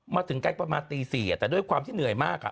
มาถึงใกล้ประมาณตี๔แต่ด้วยความที่เหนื่อยมาก